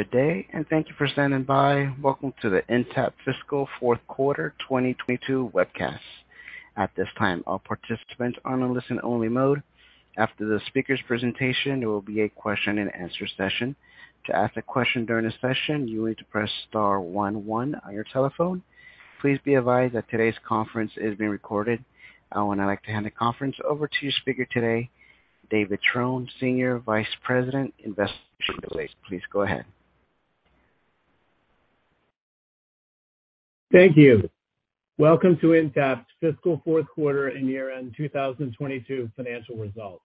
Good day, thank you for standing by. Welcome to the Intapp fiscal fourth quarter 2022 webcast. At this time, all participants are in listen only mode. After the speaker's presentation, there will be a question and answer session. To ask a question during the session, you need to press star one one on your telephone. Please be advised that today's conference is being recorded. I would now like to hand the conference over to your speaker today, David Trone, Senior Vice President, Investor Relations. Please go ahead. Thank you. Welcome to Intapp's fiscal fourth quarter and year-end 2022 financial results.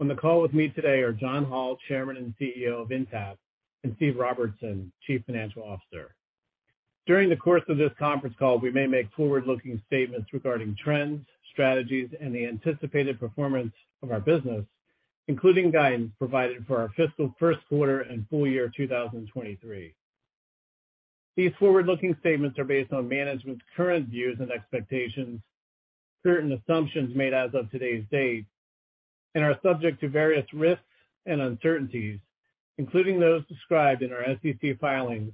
On the call with me today are John Hall, Chairman and CEO of Intapp, and Steve Robertson, Chief Financial Officer. During the course of this conference call, we may make forward-looking statements regarding trends, strategies, and the anticipated performance of our business, including guidance provided for our fiscal first quarter and full year 2023. These forward-looking statements are based on management's current views and expectations, certain assumptions made as of today's date, and are subject to various risks and uncertainties, including those described in our SEC filings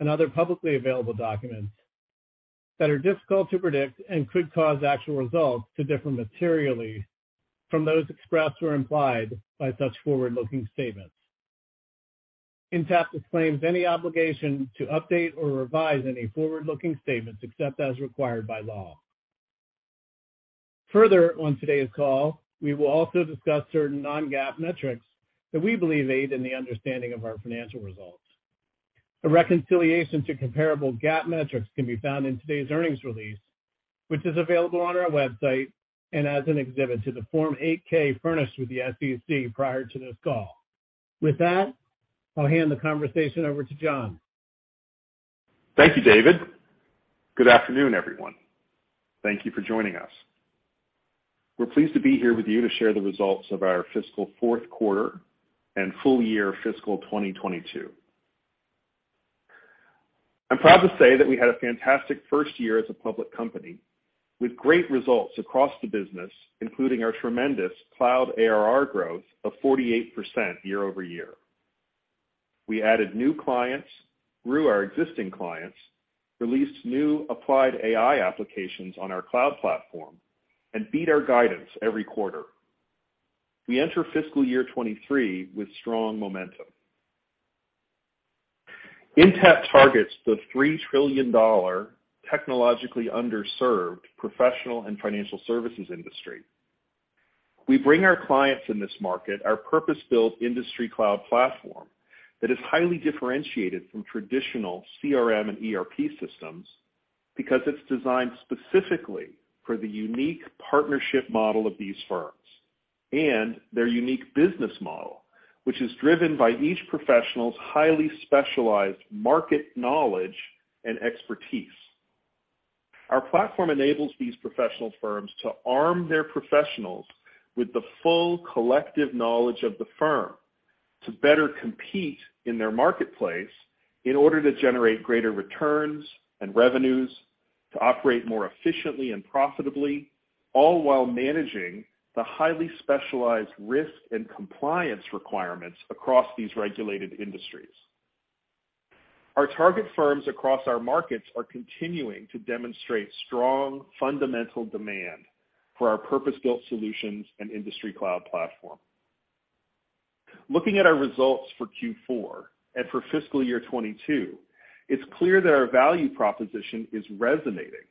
and other publicly available documents that are difficult to predict and could cause actual results to differ materially from those expressed or implied by such forward-looking statements. Intapp disclaims any obligation to update or revise any forward-looking statements except as required by law. Further, on today's call, we will also discuss certain non-GAAP metrics that we believe aid in understanding our financial results. A reconciliation to comparable GAAP metrics can be found in today's earnings release, which is available on our website and as an exhibit to the Form 8-K furnished with the SEC prior to this call. With that, I'll hand the conversation over to John. Thank you, David. Good afternoon, everyone. Thank you for joining us. We're pleased to be here with you to share the results of our fiscal fourth quarter and full-year fiscal 2022. I'm proud to say that we had a fantastic first year as a public company, with great results across the business, including our tremendous cloud ARR growth of 48% year-over-year. We added new clients, grew our existing clients, released new applied AI applications on our cloud platform, and beat our guidance every quarter. We enter fiscal year 2023 with strong momentum. Intapp targets the $3 trillion technologically underserved professional and financial services industry. We bring our clients in this market our purpose-built Industry Cloud platform that is highly differentiated from traditional CRM and ERP systems because it's designed specifically for the unique partnership model of these firms and their unique business model, which is driven by each professional's highly specialized market knowledge and expertise. Our platform enables these professional firms to arm their professionals with the full collective knowledge of the firm to better compete in their marketplace in order to generate greater returns and revenues, to operate more efficiently and profitably, all while managing the highly specialized risk and compliance requirements across these regulated industries. Our target firms across our markets are continuing to demonstrate strong fundamental demand for our purpose-built solutions and Industry Cloud platform. Looking at our results for Q4 and for fiscal year 2022, it's clear that our value proposition is resonating,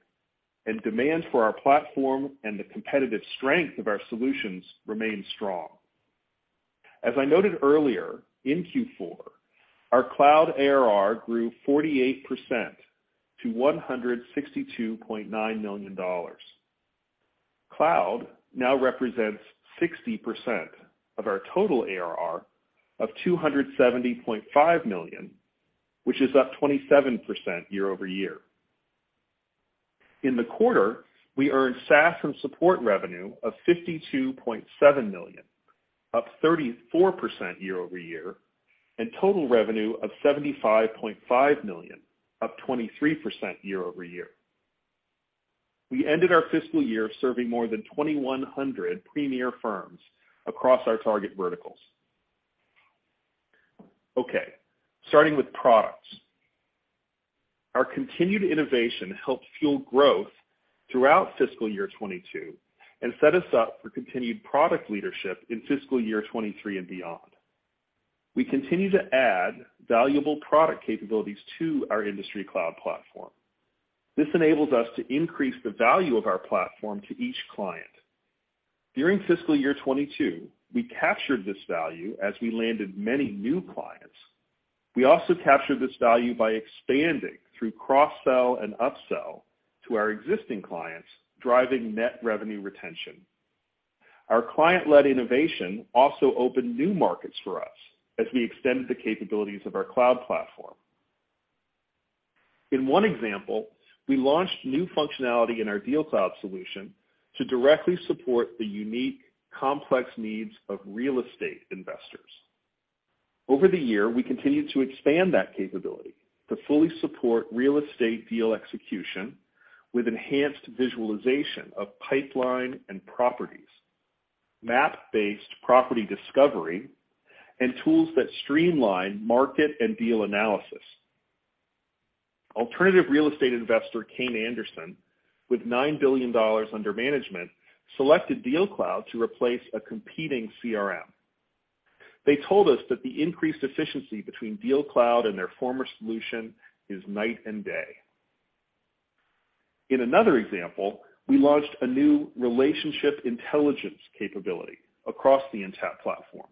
and demand for our platform and the competitive strength of our solutions remain strong. As I noted earlier, in Q4, our cloud ARR grew 48% to $162.9 million. Cloud now represents 60% of our total ARR of $270.5 million, which is up 27% year-over-year. In the quarter, we earned SaaS and support revenue of $52.7 million, up 34% year-over-year, and total revenue of $75.5 million, up 23% year-over-year. We ended our fiscal year serving more than 2,100 premier firms across our target verticals. Okay, starting with products. Our continued innovation helped fuel growth throughout fiscal year 2022 and set us up for continued product leadership in fiscal year 2023 and beyond. We continue to add valuable product capabilities to our Industry Cloud platform. This enables us to increase the value of our platform to each client. During fiscal year 2022, we captured this value as we landed many new clients. We also captured this value by expanding through cross-sell and up-sell to our existing clients, driving net revenue retention. Our client-led innovation also opened new markets for us as we extended the capabilities of our cloud platform. In one example, we launched new functionality in our DealCloud solution to directly support the unique, complex needs of real estate investors. Over the years, we continued to expand that capability to fully support real estate deal execution with enhanced visualization of pipelines and properties, map-based property discovery, and tools that streamline market and deal analysis. Alternative real estate investor Kayne Anderson, with $9 billion under management, selected DealCloud to replace a competing CRM. They told us that the increased efficiency between DealCloud and their former solution is like night and day. In another example, we launched a new relationship intelligence capability across the Intapp platform.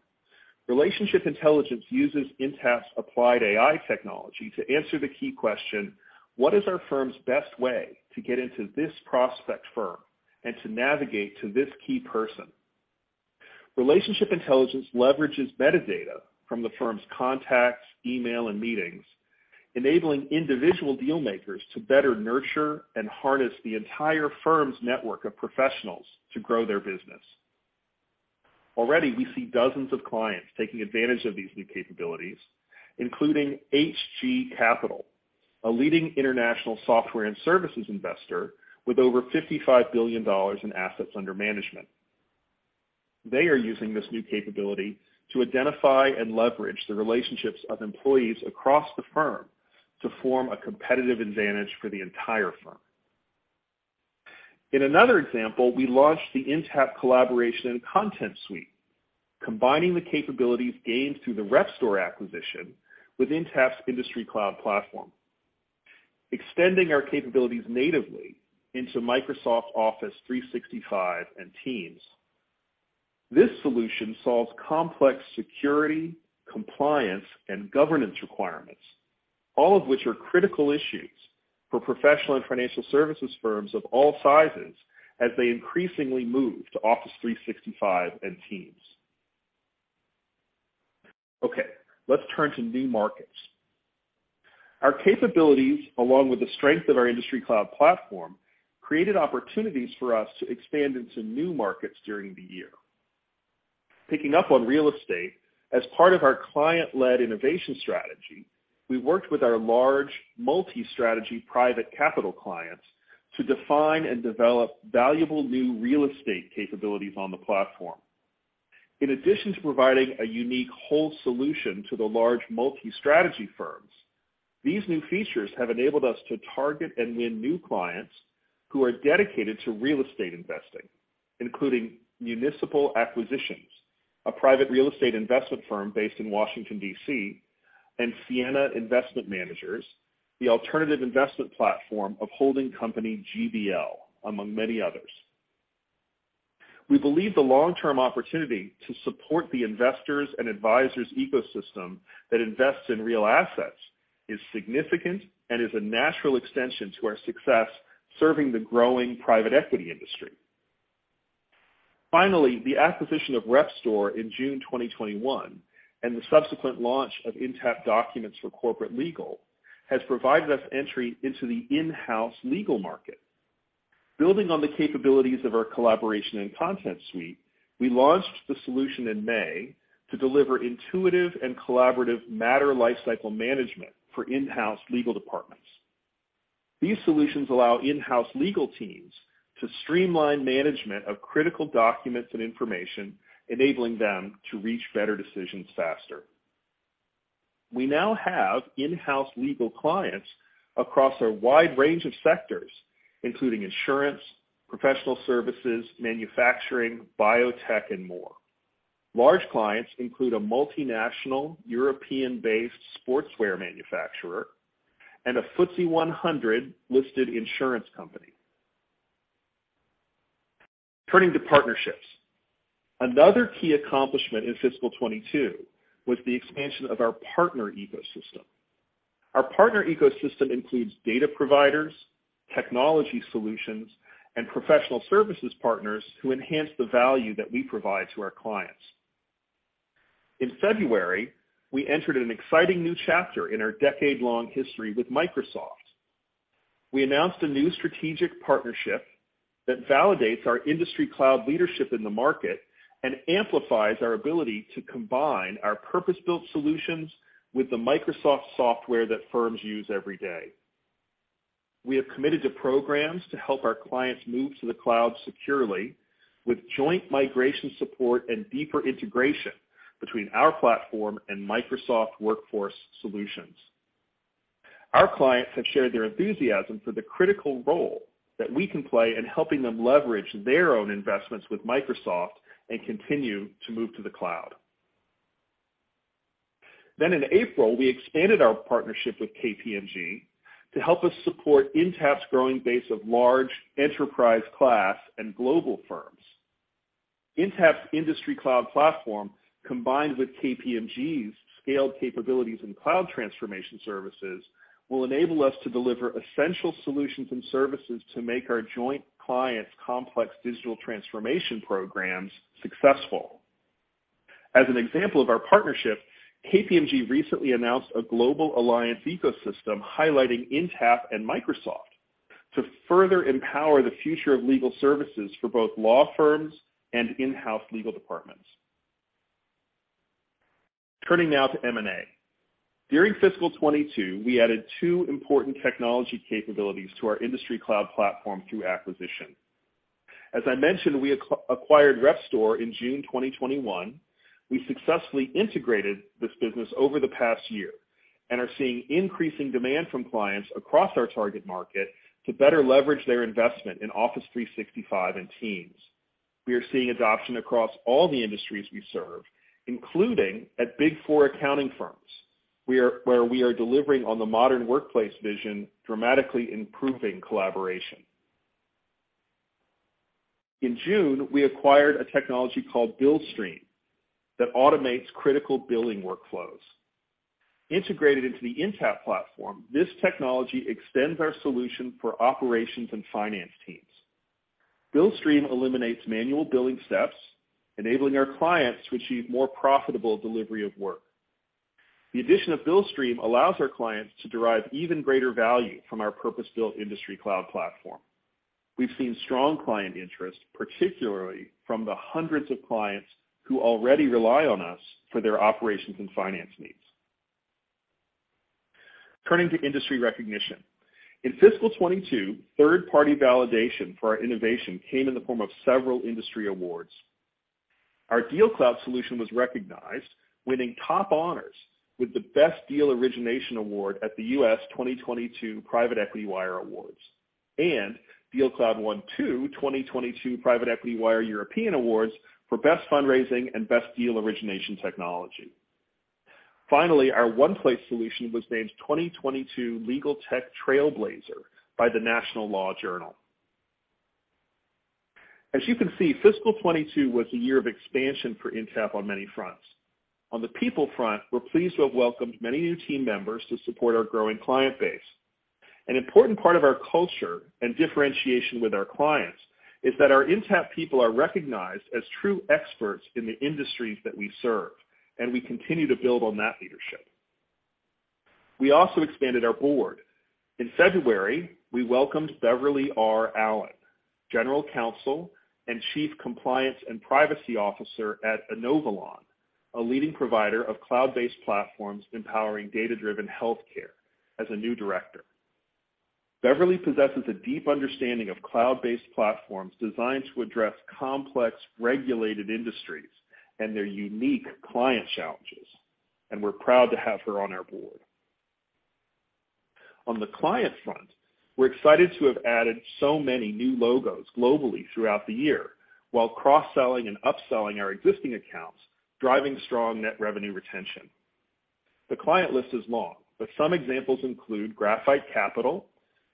Relationship intelligence uses Intapp's applied AI technology to answer the key question, "What is our firm's best way to get into this prospect firm and to navigate to this key person?" Relationship intelligence leverages metadata from the firm's contacts, email, and meetings, enabling individual dealmakers to better nurture and harness the entire firm's network of professionals to grow their business. We already see dozens of clients taking advantage of these new capabilities, including Hg, a leading international software and services investor with over $55 billion in assets under management. They are using this new capability to identify and leverage the relationships of employees across the firm to form a competitive advantage for the entire firm. In another example, we launched the Intapp Collaboration and Content Suite, combining the capabilities gained through the Repstor acquisition with Intapp's Industry Cloud platform, extending our capabilities natively into Microsoft 365 and Teams. This solution solves complex security, compliance, and governance requirements, all of which are critical issues for professional and financial services firms of all sizes as they increasingly move to Office 365 and Teams. Okay. Let's turn to new markets. Our capabilities, along with the strength of our Industry Cloud platform, created opportunities for us to expand into new markets during the year. Picking up on real estate, as part of our client-led innovation strategy, we worked with our large multi-strategy private capital clients to define and develop valuable new real estate capabilities on the platform. In addition to providing a unique whole solution to large multi-strategy firms, these new features have enabled us to target and win new clients who are dedicated to real estate investing, including Municipal Acquisitions, a private real estate investment firm based in Washington, D.C., and Sienna Investment Managers, the alternative investment platform of holding company GBL, among many others. We believe the long-term opportunity to support the investor and advisor ecosystem that invests in real assets is significant and is a natural extension of our success serving the growing private equity industry. Finally, the acquisition of Repstor in June 2021 and the subsequent launch of Intapp Documents for Corporate Legal have provided us entry into the in-house legal market. Building on the capabilities of our Collaboration and Content Suite, we launched the solution in May to deliver intuitive and collaborative matter lifecycle management for in-house legal departments. These solutions allow in-house legal teams to streamline the management of critical documents and information, enabling them to reach better decisions faster. We now have in-house legal clients across a wide range of sectors, including insurance, professional services, manufacturing, biotech, and more. Large clients include a multinational European-based sportswear manufacturer and a FTSE 100 listed insurance company. Turning to partnerships, another key accomplishment in fiscal 2022 was the expansion of our partner ecosystem. Our partner ecosystem includes data providers, technology solutions, and professional services partners who enhance the value we provide to our clients. In February, we entered an exciting new chapter in our decade-long history with Microsoft. We announced a new strategic partnership that validates our Industry Cloud leadership in the market and amplifies our ability to combine our purpose-built solutions with the Microsoft software that firms use every day. We have committed to programs to help our clients move to the cloud securely with joint migration support and deeper integration between our platform and Microsoft Workforce solutions. Our clients have shared their enthusiasm for the critical role we can play in helping them leverage their own investments with Microsoft and continue to move to the cloud. In April, we expanded our partnership with KPMG to help us support Intapp's growing base of large enterprise-class and global firms. Intapp's Industry Cloud platform, combined with KPMG's scaled capabilities and cloud transformation services, will enable us to deliver essential solutions and services to make our joint clients' complex digital transformation programs successful. As an example of our partnership, KPMG recently announced a global alliance ecosystem highlighting Intapp and Microsoft to further empower the future of legal services for both law firms and in-house legal departments. Turning now to M&A, during fiscal 2022, we added two important technology capabilities to our Industry Cloud platform through acquisition. As I mentioned, we acquired Repstor in June 2021. We successfully integrated this business over the past year and are seeing increasing demand from clients across our target market to better leverage their investment in Office 365 and Teams. We are seeing adoption across all the industries we serve, including at big four accounting firms, where we are delivering on the modern workplace vision, dramatically improving collaboration. In June, we acquired a technology called Billstream that automates critical billing workflows. Integrated into the Intapp platform, this technology extends our solution for operations and finance teams. Billstream eliminates manual billing steps, enabling our clients to achieve more profitable delivery of work. The addition of Billstream allows our clients to derive even greater value from our purpose-built Industry Cloud platform. We've seen strong client interest, particularly from the hundreds of clients who already rely on us for their operations and finance needs. Turning to industry recognition, in fiscal 2022, third-party validation for our innovation came in the form of several industry awards. Our DealCloud solution was recognized, winning top honors with the Best Deal Origination award at the US 2022 Private Equity Wire Awards, and DealCloud won two 2022 Private Equity Wire European Awards for best fundraising and best deal origination technology. Finally, our OnePlace solution was named 2022 Legal Tech Trailblazer by the National Law Journal. As you can see, fiscal year 2022 was a year of expansion for Intapp on many fronts. On the people front, we're pleased to have welcomed many new team members to support our growing client base. An important part of our culture and differentiation with our clients is that our Intapp people are recognized as true experts in the industries that we serve, and we continue to build on that leadership. We also expanded our board. In February, we welcomed Beverly R. Allen. Allen, General Counsel and Chief Compliance and Privacy Officer at Inovalon, a leading provider of cloud-based platforms empowering data-driven healthcare, as a new director. Beverly possesses a deep understanding of cloud-based platforms designed to address complex regulated industries and their unique client challenges, and we're proud to have her on our board. On the client front, we're excited to have added so many new logos globally throughout the year, while cross-selling and upselling our existing accounts, driving strong net revenue retention. The client list is long, but some examples include Graphite Capital,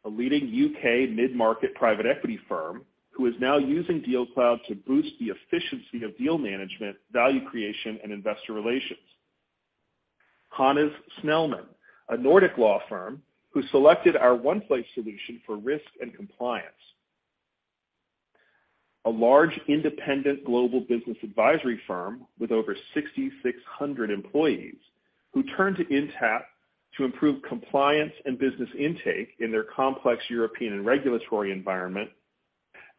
a leading UK mid-market private equity firm, which is now using DealCloud to boost the efficiency of deal management, value creation, and investor relations. Hannes Snellman, a Nordic law firm, selected our OnePlace solution for risk and compliance. A large independent global business advisory firm with over 6,600 employees turned to Intapp to improve compliance and business intake in their complex European and regulatory environment.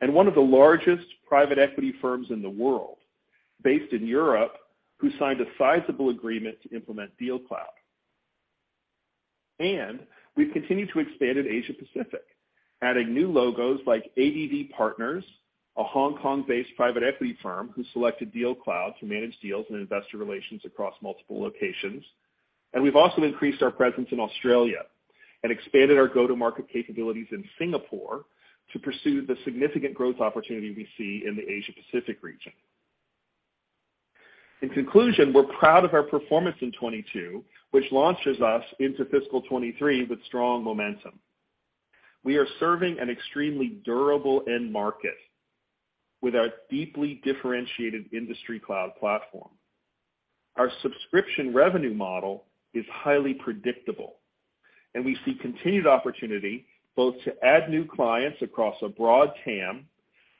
Additionally, one of the largest private equity firms in the world, based in Europe, signed a sizable agreement to implement DealCloud. We've continued to expand in Asia Pacific, adding new logos like ADV Partners, a Hong Kong-based private equity firm that selected DealCloud to manage deals and investor relations across multiple locations. We've also increased our presence in Australia and expanded our go-to-market capabilities in Singapore to pursue the significant growth opportunity we see in the Asia Pacific region. In conclusion, we're proud of our performance in 2022, which launches us into fiscal 2023 with strong momentum. We are serving an extremely durable end market with our deeply differentiated Industry Cloud platform. Our subscription revenue model is highly predictable, and we see continued opportunity both to add new clients across a broad TAM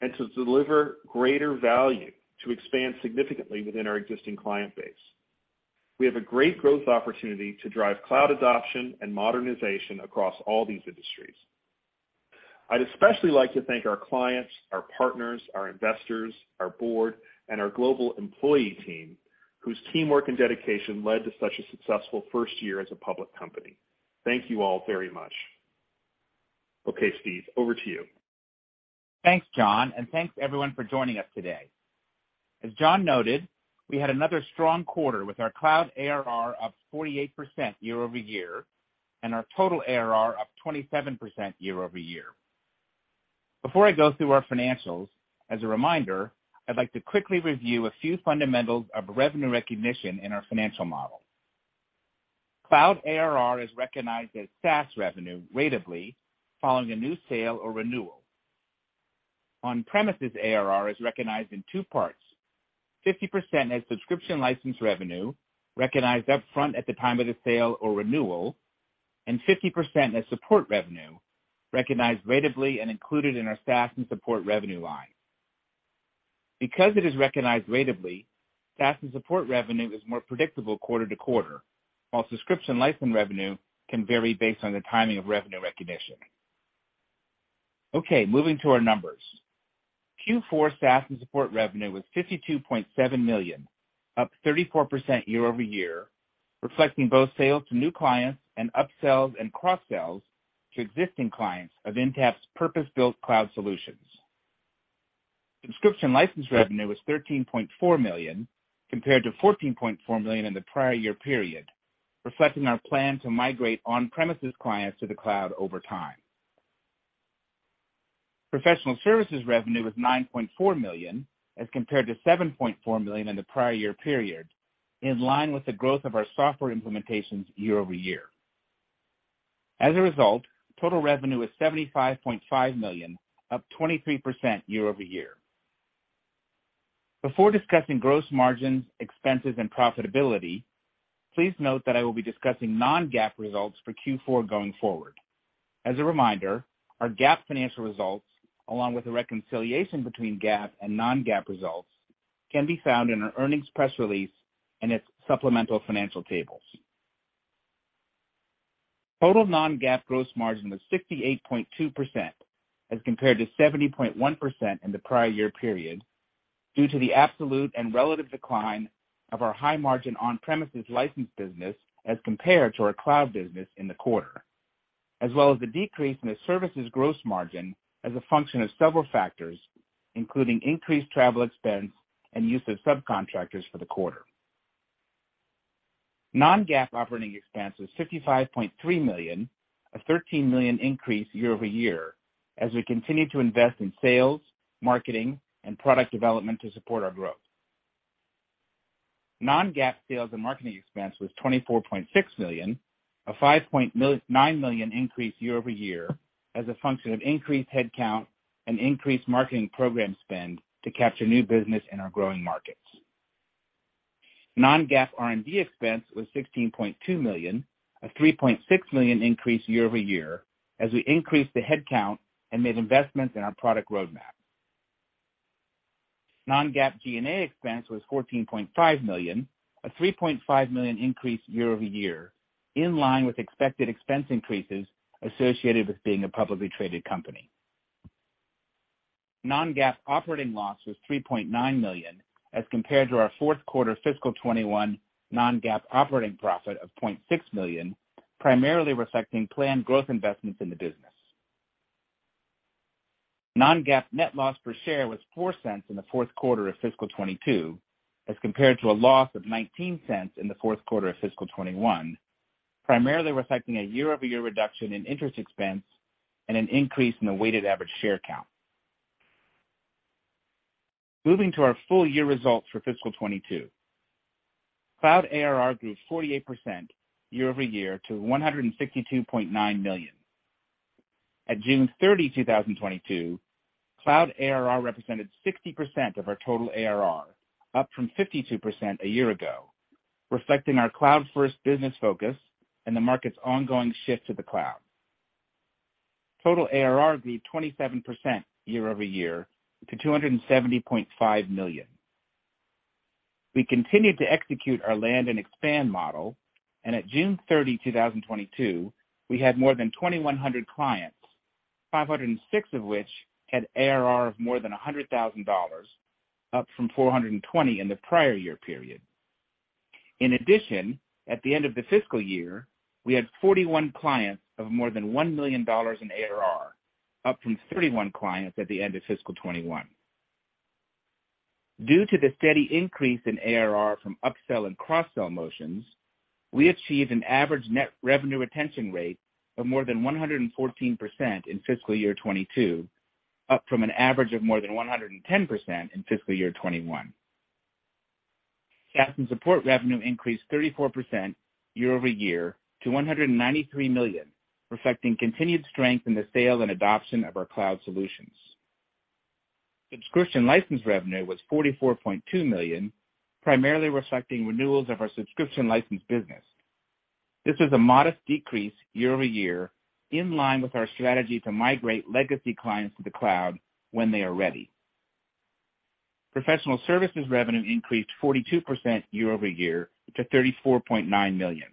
and to deliver greater value to expand significantly within our existing client base. We have a great growth opportunity to drive cloud adoption and modernization across all these industries. I'd especially like to thank our clients, our partners, our investors, our board, and our global employee team, whose teamwork and dedication led to such a successful first year as a public company. Thank you all very much. Okay, Steve, over to you. Thanks, John, and thanks everyone for joining us today. As John noted, we had another strong quarter with our cloud ARR up 48% year-over-year, and our total ARR up 27% year-over-year. Before I go through our financials, as a reminder, I'd like to quickly review a few fundamentals of revenue recognition in our financial model. Cloud ARR is recognized as SaaS revenue ratably following a new sale or renewal. On-premises ARR is recognized in two parts: 50% as subscription license revenue, recognized upfront at the time of the sale or renewal, and 50% as support revenue, recognized ratably and included in our SaaS and support revenue line. Because it is recognized ratably, SaaS and support revenue is more predictable quarter-to-quarter, while subscription license revenue can vary based on the timing of revenue recognition. Okay, moving to our numbers. Q4 SaaS and support revenue was $52.7 million, up 34% year-over-year, reflecting both sales to new clients and upsells and cross-sells to existing clients of Intapp's purpose-built cloud solutions. Subscription license revenue was $13.4 million compared to $14.4 million in the prior-year period, reflecting our plan to migrate on-premises clients to the cloud over time. Professional services revenue was $9.4 million as compared to $7.4 million in the prior-year period, in line with the growth of our software implementations year-over-year. As a result, total revenue was $75.5 million, up 23% year-over-year. Before discussing gross margins, expenses, and profitability, please note that I will be discussing non-GAAP results for Q4 going forward. As a reminder, our GAAP financial results, along with the reconciliation between GAAP and non-GAAP results, can be found in our earnings press release and its supplemental financial tables. Total non-GAAP gross margin was 68.2% as compared to 70.1% in the prior-year period, due to the absolute and relative decline of our high-margin on-premises license business as compared to our cloud business in the quarter, as well as the decrease in the services gross margin as a function of several factors, including increased travel expense and use of subcontractors for the quarter. Non-GAAP operating expense was $55.3 million, a $13 million increase year-over-year as we continue to invest in sales, marketing, and product development to support our growth. Non-GAAP sales and marketing expense was $24.6 million, a $5.9 million increase year-over-year as a function of increased headcount and increased marketing program spending to capture new business in our growing markets. Non-GAAP R&D expense was $16.2 million, a $3.6 million increase year-over-year as we increased headcount and made investments in our product roadmap. Non-GAAP G&A expense was $14.5 million, a $3.5 million increase year-over-year, in line with expected expense increases associated with being a publicly traded company. Non-GAAP operating loss was $3.9 million as compared to our fourth quarter fiscal 2021 non-GAAP operating profit of $0.6 million, primarily reflecting planned growth investments in the business. Non-GAAP net loss per share was $0.04 in the fourth quarter of fiscal 2022, as compared to a loss of $0.19 in the fourth quarter of fiscal 2021, primarily reflecting a year-over-year reduction in interest expense and an increase in the weighted average share count. Moving to our full-year results for fiscal 2022, Cloud ARR grew 48% year-over-year to $162.9 million. At June 30, 2022, cloud ARR represented 60% of our total ARR, up from 52% a year ago, reflecting our cloud-first business focus and the market's ongoing shift to the cloud. Total ARR grew 27% year-over-year to $270.5 million. We continued to execute our land and expand model, and as of June 30, 2022, we had more than 2,100 clients, 506 of which had ARR of more than $100,000, up from 420 in the prior-year period. In addition, at the end of the fiscal year, we had 41 clients with more than $1 million in ARR, up from 31 clients at the end of fiscal 2021. Due to the steady increase in ARR from upsell and cross-sell motions, we achieved an average net revenue retention rate of more than 114% in fiscal year 2022, up from an average of more than 110% in fiscal year 2021. SaaS and support revenue increased 34% year-over-year to $193 million, reflecting continued strength in the sale and adoption of our cloud solutions. Subscription license revenue was $44.2 million, primarily reflecting renewals of our subscription license business. This is a modest decrease year-over-year, in line with our strategy to migrate legacy clients to the cloud when they are ready. Professional services revenue increased 42% year-over-year to $34.9 million.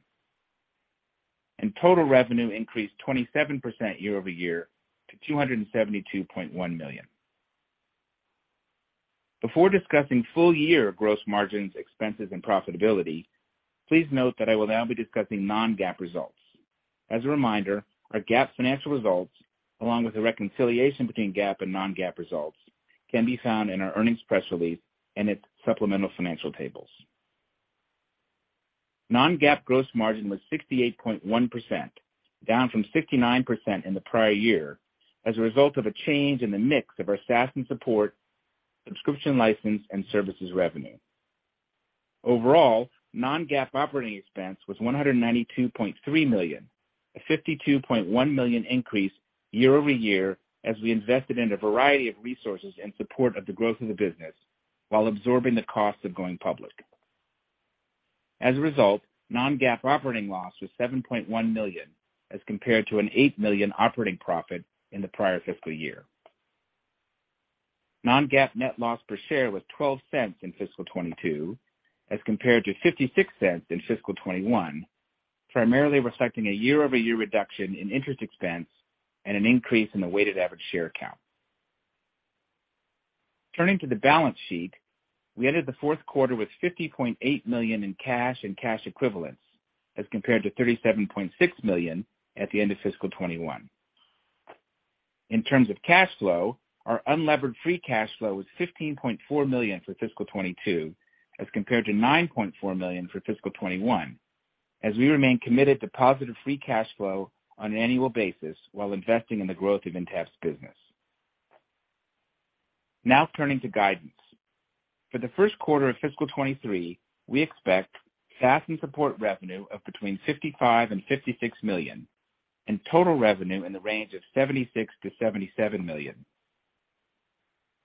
Total revenue increased 27% year-over-year to $272.1 million. Before discussing full-year gross margins, expenses, and profitability, please note that I will now be discussing non-GAAP results. As a reminder, our GAAP financial results, along with the reconciliation between GAAP and non-GAAP results, can be found in our earnings press release and its supplemental financial tables. Non-GAAP gross margin was 68.1%, down from 69% in the prior year, as a result of a change in the mix of our SaaS and support, subscription license, and services revenue. Overall, non-GAAP operating expense was $192.3 million, a $52.1 million increase year-over-year as we invested in a variety of resources in support of the growth of the business while absorbing the cost of going public. As a result, non-GAAP operating loss was $7.1 million, as compared to an $8 million operating profit in the prior fiscal year. Non-GAAP net loss per share was $0.12 in fiscal 2022 as compared to $0.56 in fiscal 2021, primarily reflecting a year-over-year reduction in interest expense and an increase in the weighted average share count. Turning to the balance sheet, we ended the fourth quarter with $50.8 million in cash and cash equivalents, compared to $37.6 million at the end of fiscal 2021. In terms of cash flow, our unlevered free cash flow was $15.4 million for fiscal 2022, compared to $9.4 million for fiscal 2021, as we remain committed to positive free cash flow on an annual basis while investing in the growth of Intapp's business. Now turning to guidance. For the first quarter of fiscal 2023, we expect SaaS and support revenue of between $55 million and $56 million, and total revenue in the range of $76 million-$77 million.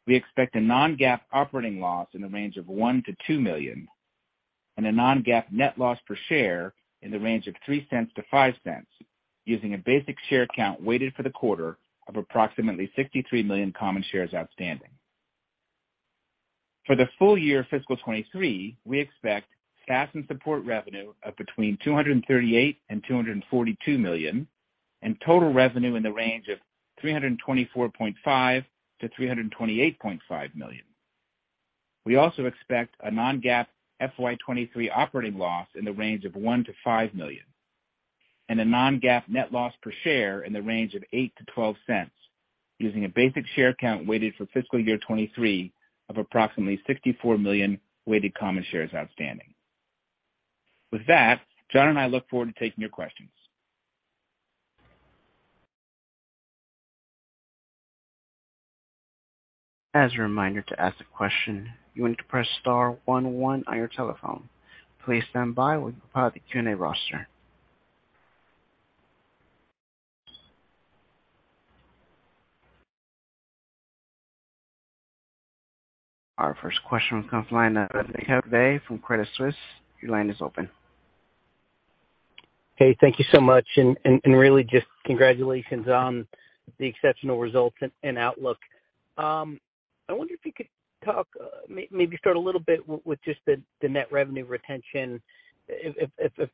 We expect a non-GAAP operating loss in the range of $1 million-$2 million and a non-GAAP net loss per share in the range of $0.03-$0.05, using a basic share count weighted for the quarter of approximately 63 million common shares outstanding. For the full fiscal year 2023, we expect SaaS and support revenue of between $238 million and $242 million, and total revenue in the range of $324.5 million-$328.5 million. We also expect a non-GAAP FY 2023 operating loss in the range of $1 million-$5 million and a non-GAAP net loss per share in the range of $0.08-$0.12, using a basic share count weighted for fiscal year 2023 of approximately 64 million weighted common shares outstanding. With that, John and I look forward to taking your questions. As a reminder, to ask a question, you need to press star one one on your telephone. Please stand by while we compile the Q&A roster. Our first question comes from the line of Kevin McVeigh from Credit Suisse. Your line is open. Hey, thank you so much, and really, congratulations on the exceptional results and outlook. I wonder if you could talk, maybe start a little bit with just the net revenue retention. If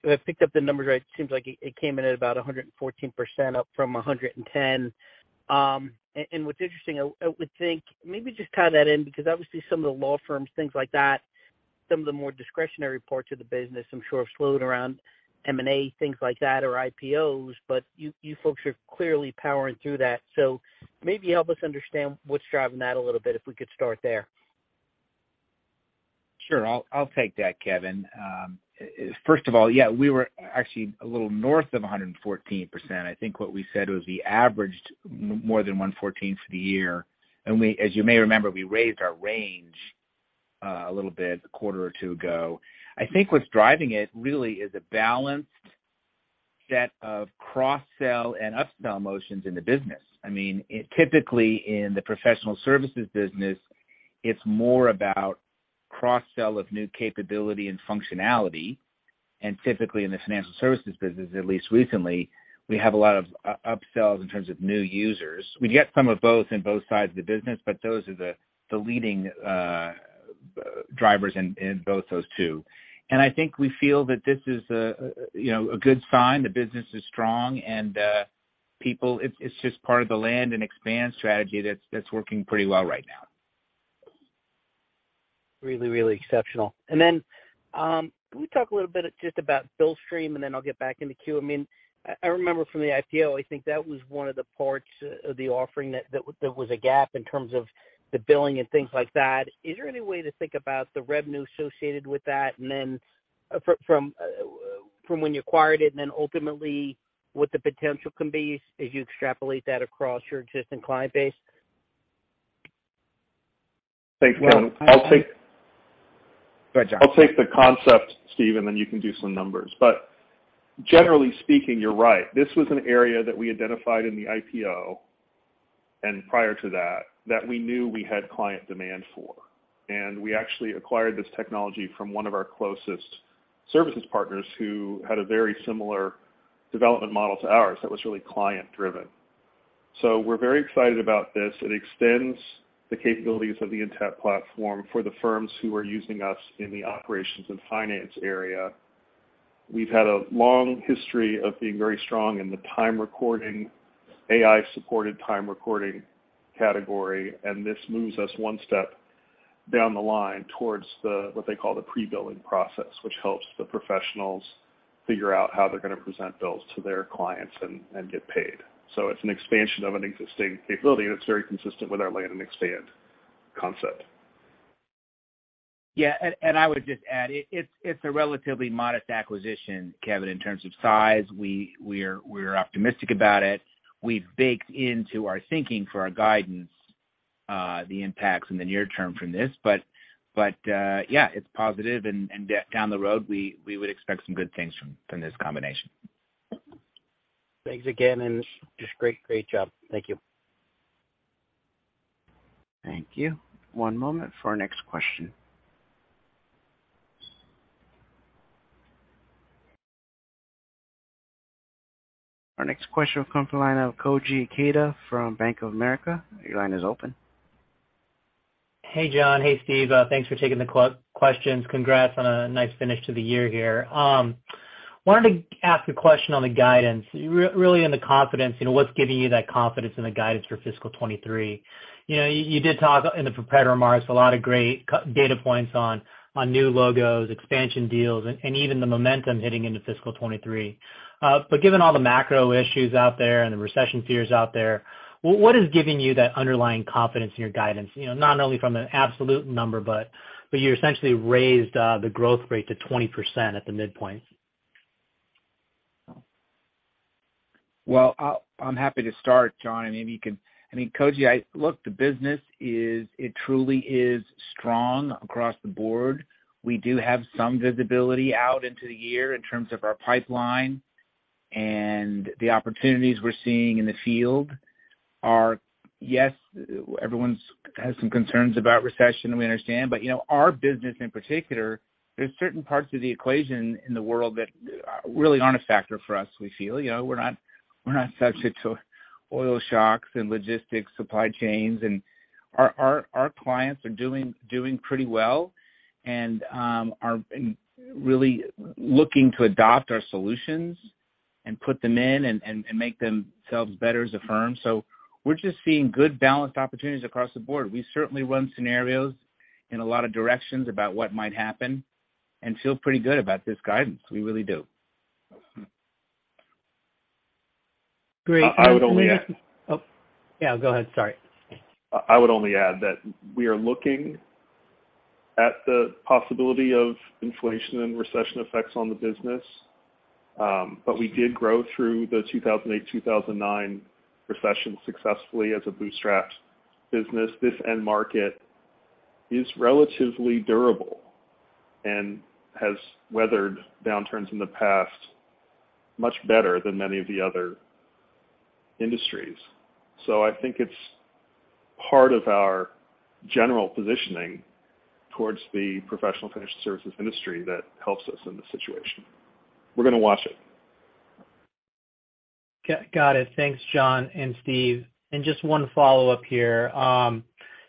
I picked up the numbers right, it seems like it came in at about 114%, up from 110%. What's interesting, I would think maybe just tie that in because obviously some of the law firms, things like that, some of the more discretionary parts of the business, I'm sure have slowed around M&A, things like that, or IPOs, but you folks are clearly powering through that. Maybe help us understand what's driving that a little bit, if we could start there. Sure. I'll take that, Kevin. First of all, yeah, we were actually a little north of 114%. I think what we said was we averaged more than 114 for the year. We, as you may remember, raised our range a little bit a quarter or two ago. I think what's driving it really is a balanced set of cross-sell and up-sell motions in the business. I mean, typically in the professional services business, it's more about cross-sell of new capability and functionality. Typically in the financial services business, at least recently, we have a lot of up-sells in terms of new users. We get some of both in both sides of the business, but those are the leading drivers in both those two. I think we feel that this is a good sign. The business is strong, and it's just part of the land and expand strategy that's working pretty well right now. Really, really exceptional. Can we talk a little bit just about Billstream, and then I'll get back in the queue? I mean, I remember from the IPO. I think that was one of the parts of the offering that there was a gap in terms of the billing and things like that. Is there any way to think about the revenue associated with that, and then from when you acquired it, and then ultimately what the potential can be as you extrapolate that across your existing client base? Thanks, Kevin. I'll take- Go ahead, John. I'll take the concept, Steve, and then you can do some numbers. Generally speaking, you're right. This was an area that we identified in the IPO, and prior to that, we knew we had client demand for. We actually acquired this technology from one of our closest services partners who had a very similar development model to ours that was really client-driven. We're very excited about this. It extends the capabilities of the Intapp platform for the firms who are using us in the operations and finance area. We've had a long history of being very strong in the time recording, AI-supported time recording category, and this moves us one step down the line towards what they call the pre-billing process, which helps the professionals figure out how they're going to present bills to their clients and get paid. It's an expansion of an existing capability, and it's very consistent with our land and expand concept. Yeah. I would just add, it's a relatively modest acquisition, Kevin, in terms of size. We're optimistic about it. We've baked the near-term impacts of this into our guidance. Yeah, it's positive, and down the road, we would expect some good things from this combination. Thanks again, and just great job. Thank you. Thank you. One moment for our next question. The next question will come from the line of Koji Ikeda from Bank of America. Your line is open. Hey, John. Hey, Steve. Thanks for taking the questions. Congrats on a nice finish to the year here. I wanted to ask a question on the guidance, really on the confidence. You know, what's giving you that confidence in the guidance for fiscal 2023? You know, you did talk in the prepared remarks, a lot of great data points on new logos, expansion deals, and even the momentum heading into fiscal 2023. Given all the macro issues and the recession fears out there, what is giving you that underlying confidence in your guidance? You know, not only from an absolute number, but you essentially raised the growth rate to 20% at the midpoint. Well, I'm happy to start, John, and maybe you can. I mean, Koji, look, it truly is strong across the board. We do have some visibility out into the year in terms of our pipeline, and the opportunities we're seeing in the field are, yes, everyone has some concerns about recession, and we understand. You know, our business in particular, there are certain parts of the equation in the world that really aren't a factor for us, we feel. You know, we're not subject to oil shocks and logistics, supply chains, and our clients are doing pretty well and really looking to adopt our solutions and put them in and make themselves better as a firm. We're just seeing good, balanced opportunities across the board. We certainly run scenarios in a lot of directions about what might happen and feel pretty good about this guidance. We really do. Great. I would only add. Oh, yeah, go ahead. Sorry. I would only add that we are looking at the possibility of inflation and recession effects on the business, but we did grow through the 2008-2009 recession successfully as a bootstrapped business. This end market is relatively durable and has weathered downturns in the past much better than many other industries. I think it's part of our general positioning toward the professional financial services industry that helps us in this situation. We're going to watch it. Got it. Thanks, John and Steve. Just one follow-up here.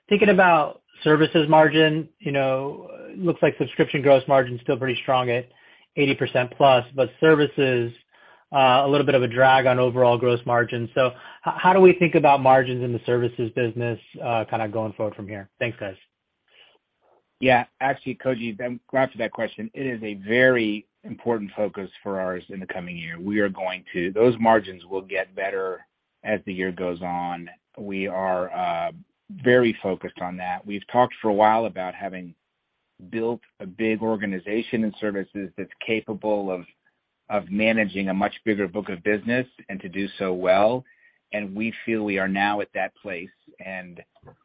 Thinking about services margin, you know, it looks like subscription gross margin is still pretty strong at 80%+, but services are a little bit of a drag on overall gross margin. How do we think about margins in the services business, kind of going forward from here? Thanks, guys. Yeah. Actually, Koji, glad for that question. It is a very important focus for us in the coming year. Those margins will get better as the year goes on. We are very focused on that. We've talked for a while about having built a big organization in services that's capable of managing a much bigger book of business and doing so well, and we feel we are now at that place, and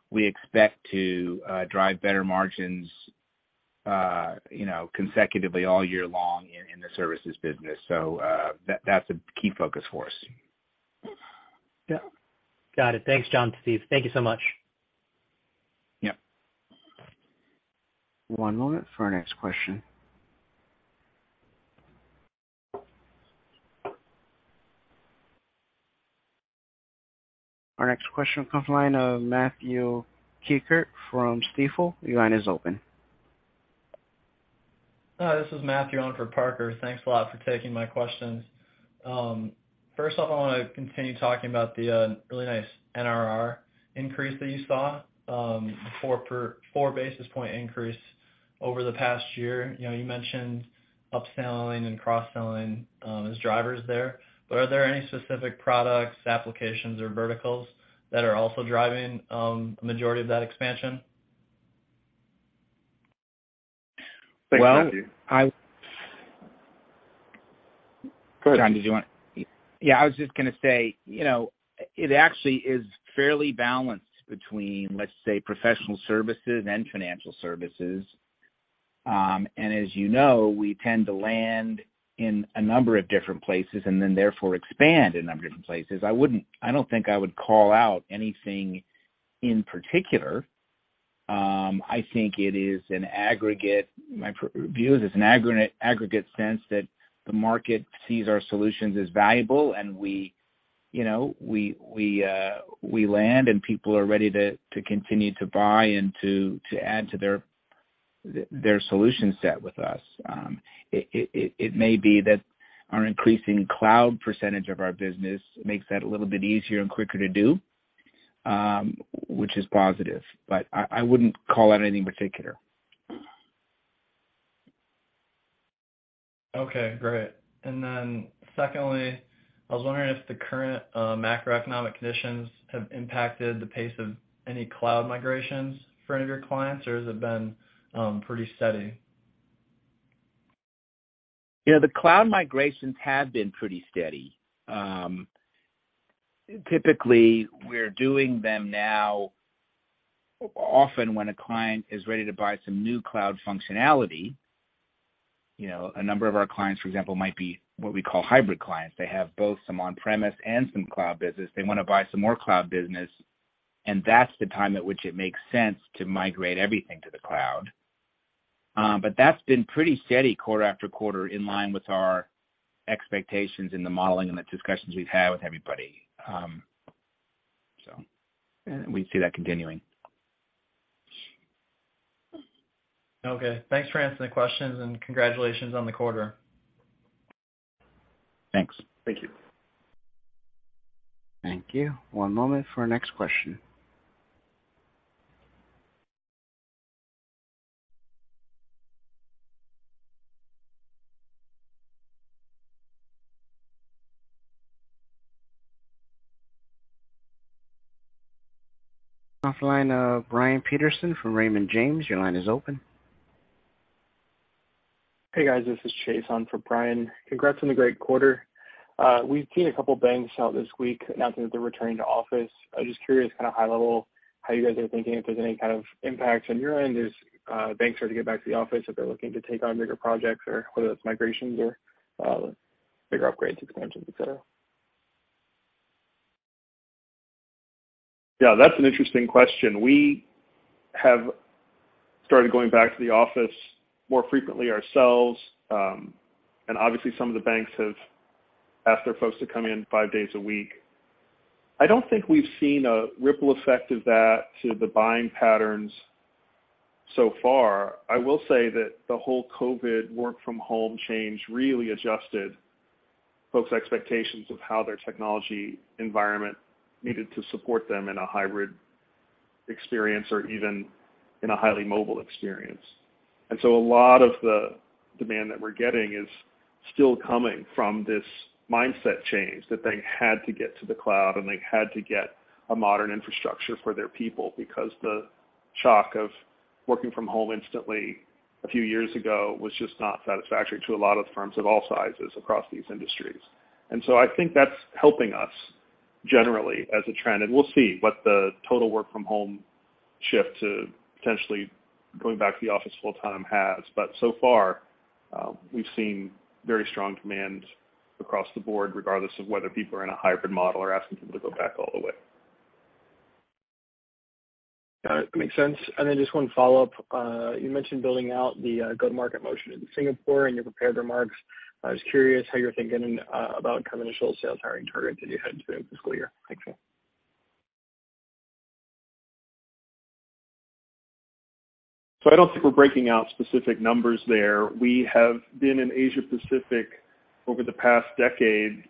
we expect to drive better margins, you know, consecutively all year long in the services business. That's a key focus for us. Yeah. Got it. Thanks, John. Steve, thank you so much. Yeah. One moment for our next question. Our next question comes from the line of Matthew Kikkert from Stifel. Your line is open. This is Matthew filling in for Parker. Thanks a lot for taking my questions. First off, I want to continue talking about the really nice NRR increase that you saw, a 4-basis point increase over the past year. You know, you mentioned upselling and cross-selling as drivers there, but are there any specific products, applications, or verticals that are also driving a majority of that expansion? Well, Thanks, Matthew. Yeah, I was just going to say, you know, it actually is fairly balanced between, let's say, professional services and financial services. As you know, we tend to land in a number of different places and then therefore expand in a number of different places. I don't think I would call out anything in particular. I think it is an aggregate. My view is it's an aggregate sense that the market sees our solutions as valuable, and you know, we land and people are ready to continue to buy and to add to their solution set with us. It may be that our increasing cloud percentage of our business makes that a little bit easier and quicker to do, which is positive, but I wouldn't call out anything in particular. Okay, great. Secondly, I was wondering if the current macroeconomic conditions have impacted the pace of any cloud migrations for any of your clients, or has it been pretty steady? You know, cloud migrations have been pretty steady. Typically, we're doing them now often when a client is ready to buy some new cloud functionality. You know, a number of our clients, for example, might be what we call hybrid clients. They have both some on-premise and some cloud business. They want to buy some more cloud business, and that's the time at which it makes sense to migrate everything to the cloud. That's been pretty steady quarter after quarter in line with our expectations in the modeling and the discussions we've had with everybody. We see that continuing. Okay. Thanks for answering the questions, and congratulations on the quarter. Thanks. Thank you. Thank you. One moment for our next question. Off the line of Brian Peterson from Raymond James. Your line is open. Hey, guys. This is Chase filling in for Brian. Congrats on the great quarter. We've seen a couple of banks this week announcing that they're returning to the office. I'm just curious, at a high level, how you guys are thinking if there's any impact on your end as banks start to get back to the office, if they're looking to take on bigger projects, whether that's migrations or bigger upgrades, expansions, et cetera. Yeah, that's an interesting question. We have started going back to the office more frequently ourselves, and obviously some of the banks have asked their folks to come in five days a week. I don't think we've seen a ripple effect of that on buying patterns so far. I will say that the whole COVID work-from-home change really adjusted folks' expectations of how their technology environment needed to support them in a hybrid experience or even in a highly mobile experience. A lot of the demand that we're getting is still coming from this mindset change that they had to get to the cloud, and they had to get a modern infrastructure for their people because the shock of working from home instantly a few years ago was just not satisfactory to a lot of the firms of all sizes across these industries. I think that's helping us generally as a trend, and we'll see what the total work-from-home shift to potentially going back to the office full-time entails. So far, we've seen very strong demand across the board, regardless of whether people are in a hybrid model or asking people to go back all the way. Got it. Makes sense. Just one follow-up. You mentioned building out the go-to-market motion in Singapore in your prepared remarks. I was curious how you're thinking about initial sales hiring targets as you head into the fiscal year. Thanks, guys. I don't think we're breaking out specific numbers there. We have been in Asia Pacific over the past decade,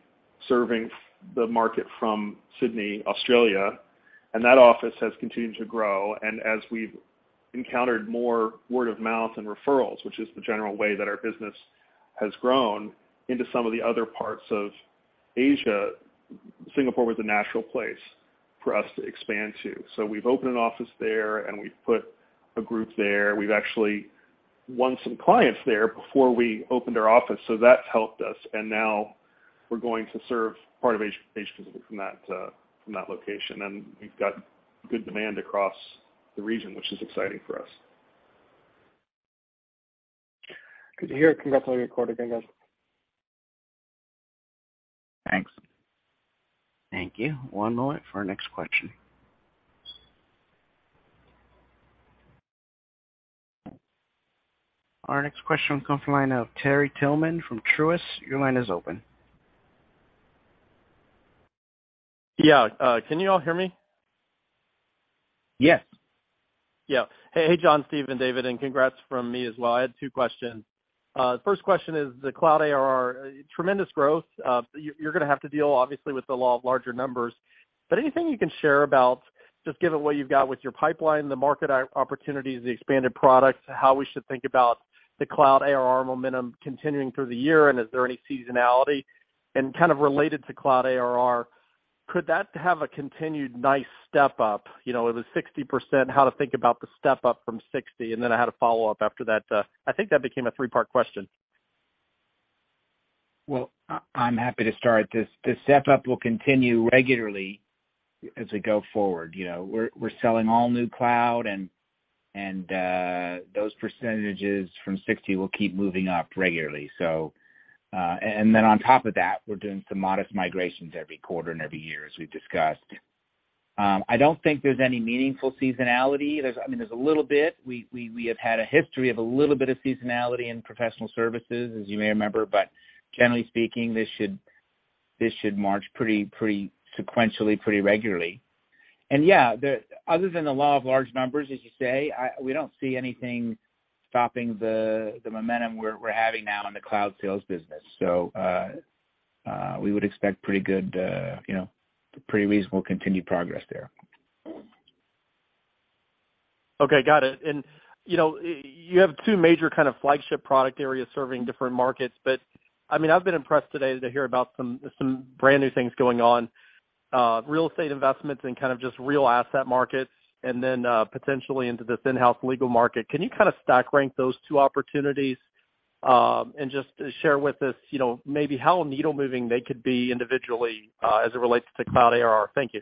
serving the market from Sydney, Australia, and that office has continued to grow. As we've encountered more word-of-mouth and referrals, which is the general way that our business has grown into some of the other parts of Asia, Singapore was a natural place for us to expand to. We've opened an office there, and we've put a group there. We've actually won some clients there before we opened our office, so that's helped us. Now we're going to serve part of Asia Pacific from that location. We've got good demand across the region, which is exciting for us. Good to hear. Congrats on a good quarter again, guys. Thanks. Thank you. One moment for our next question. Our next question comes from the line of Terry Tillman from Truist. Your line is open. Yeah. Can you all hear me? Yes. Yeah. Hey, John, Steve, and David, and congrats from me as well. I had two questions. The first question is the cloud ARR, tremendous growth. You're going to have to deal, obviously, with the law of larger numbers. Anything you can share about, just given what you've got with your pipeline, the market opportunities, the expanded products, how we should think about the cloud ARR momentum continuing through the year, and is there any seasonality? Kind of related to cloud ARR, could that have a continued nice step up? You know, it was 60%. How to think about the step up from 60. Then I had a follow-up after that. I think that became a three-part question. Well, I'm happy to start. This step-up will continue regularly as we go forward. You know, we're selling all new cloud, and those percentages from 60% will keep moving up regularly. Then, on top of that, we're doing some modest migrations every quarter and every year, as we've discussed. I don't think there's any meaningful seasonality. I mean, there's a little bit. We have had a history of a little bit of seasonality in professional services, as you may remember. Generally speaking, this should march pretty sequentially, pretty regularly. Yeah, other than the law of large numbers, as you say, we don't see anything stopping the momentum we're having now in the cloud sales business.. We would expect pretty good, you know, pretty reasonable continued progress there. Okay, got it. You know, you have two major flagship product areas serving different markets, but I mean, I've been impressed today to hear about some brand-new things going on: real estate investments and kind of just real asset markets, and then potentially into this in-house legal market. Can you kind of stack rank those two opportunities and just share with us, you know, maybe how needle-moving they could be individually as it relates to cloud ARR? Thank you.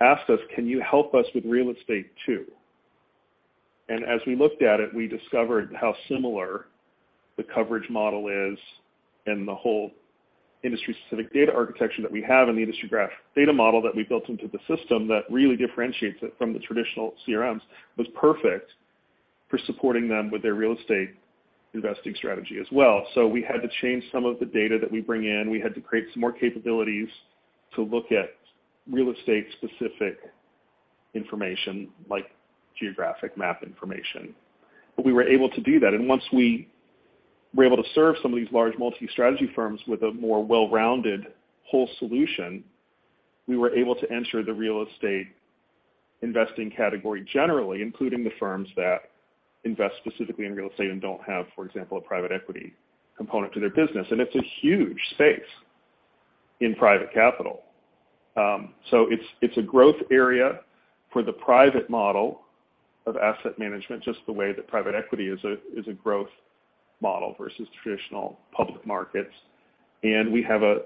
We had to change some of the data that we bring in. We had to create some more capabilities to look at real estate-specific information like geographic map information, but we were able to do that. Once we were able to serve some of these large multi-strategy firms with a more well-rounded whole solution, we were able to enter the real estate investing category generally, including the firms that invest specifically in real estate and don't have, for example, a private equity component to their business. It's a huge space in private capital. It's a growth area for the private model of asset management, just the way that private equity is a growth model versus traditional public markets. We have a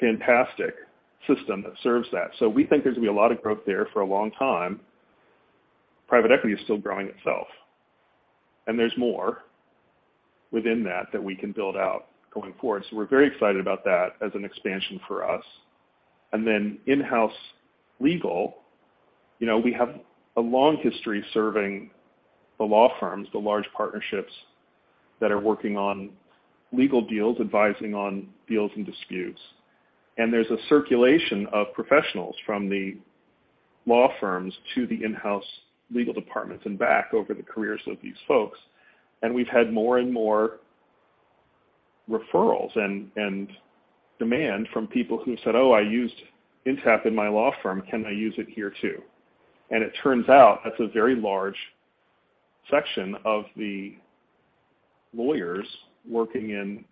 fantastic system that serves that. We think there's gonna be a lot of growth there for a long time. Private equity is still growing itself, and there's more within that that we can build out going forward. We're very excited about that as an expansion for us. In-house legal, you know, we have a long history serving the law firms, the large partnerships that are working on legal deals, advising on deals and disputes. There's a circulation of professionals from the law firms to the in-house legal departments and back over the careers of these folks. We've had more and more referrals and demand from people who have said, "Oh, I used Intapp in my law firm. Can I use it here too?" It turns out that's a very large section of the lawyers working in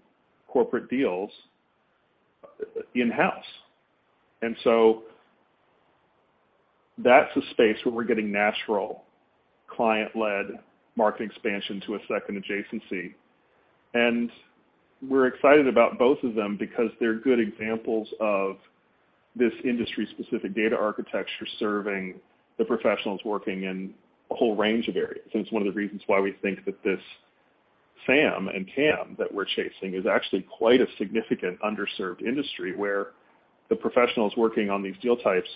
corporate deals in-house. That's a space where we're getting natural client-led market expansion to a second adjacency. We're excited about both of them because they're good examples of this industry-specific data architecture serving the professionals working in a whole range of areas. It's one of the reasons why we think that this SAM and TAM that we're chasing is actually quite a significant underserved industry, where the professionals working on these deal types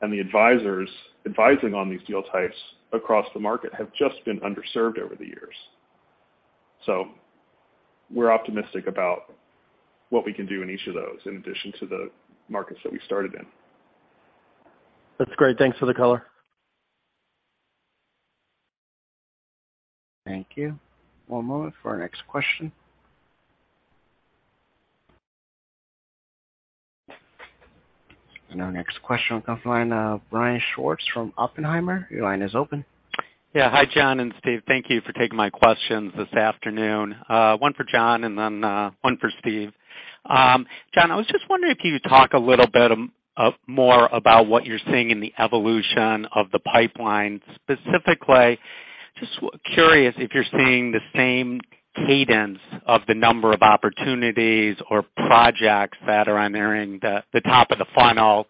and the advisors advising on these deal types across the market have just been underserved over the years. We're optimistic about what we can do in each of those, in addition to the markets that we started in. That's great. Thanks for the color. Thank you. One moment for our next question. Our next question comes from the line of Brian Schwartz from Oppenheimer. Your line is open. Yeah. Hi, John and Steve. Thank you for taking my questions this afternoon. One for John and then one for Steve. John, I was just wondering if you could talk a little bit more about what you're seeing in the evolution of the pipeline. Specifically, just curious if you're seeing the same cadence of the number of opportunities or projects that are entering the top of the funnel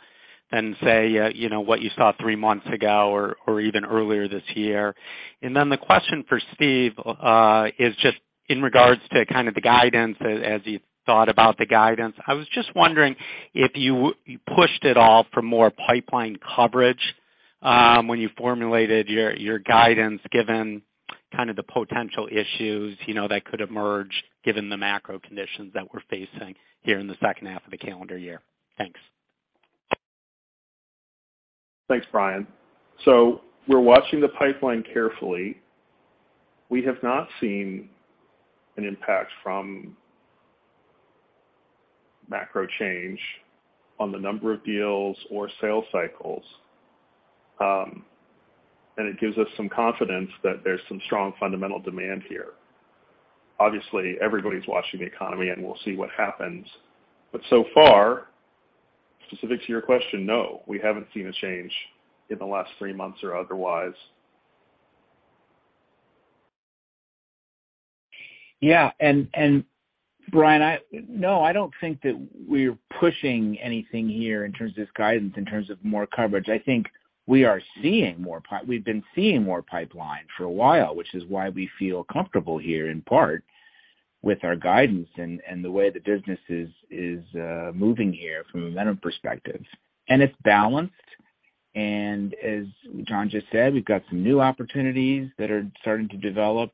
than say you know what you saw three months ago or even earlier this year. The question for Steve is just in regards to kind of the guidance as you thought about the guidance. I was just wondering if you pushed at all for more pipeline coverage, when you formulated your guidance, given kind of the potential issues, you know, that could emerge given the macro conditions that we're facing here in the second half of the calendar year. Thanks. Thanks, Brian. We're watching the pipeline carefully. We have not seen an impact from macro change on the number of deals or sales cycles, and it gives us some confidence that there's some strong fundamental demand here. Obviously, everybody's watching the economy, and we'll see what happens. So far, specific to your question, no, we haven't seen a change in the last three months or otherwise. Yeah. Brian, no, I don't think that we're pushing anything here in terms of this guidance, in terms of more coverage. I think we've been seeing more pipeline for a while, which is why we feel comfortable here in part with our guidance and the way the business is moving here from a momentum perspective. It's balanced. As John just said, we've got some new opportunities that are starting to develop.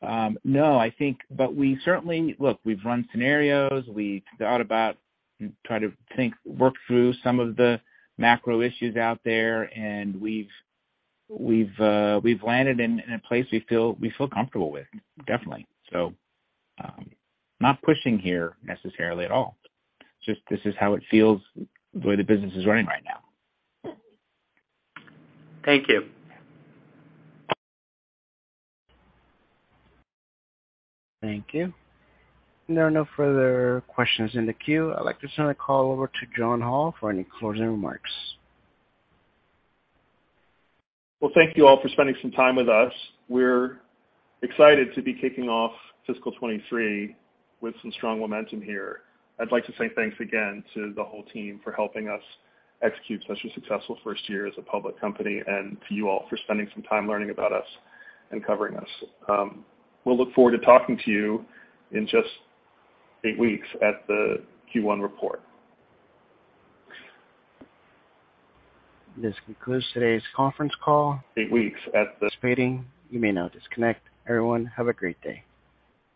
No, I think. We certainly. Look, we've run scenarios. We thought about and try to think, work through some of the macro issues out there, and we've landed in a place we feel comfortable with, definitely. Not pushing here necessarily at all. Just this is how it feels, the way the business is running right now. Thank you. Thank you. There are no further questions in the queue. I'd like to turn the call over to John Hall for any closing remarks. Well, thank you all for spending some time with us. We're excited to be kicking off fiscal 2023 with some strong momentum here. I'd like to say thanks again to the whole team for helping us execute such a successful first year as a public company, and to you all for spending some time learning about us and covering us. We'll look forward to talking to you in just eight weeks at the Q1 report. This concludes today's conference call. 8 weeks at this- You may now disconnect. Everyone, have a great day.